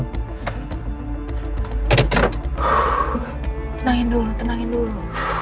tenangin dulu tenangin dulu